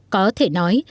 có thể nói